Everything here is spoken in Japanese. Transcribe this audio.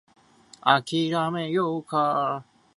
諦めようか